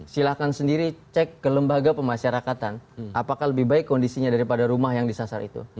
silahkan sendiri cek ke lembaga pemasyarakatan apakah lebih baik kondisinya daripada rumah yang disasar itu